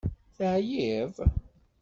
Teεyiḍ?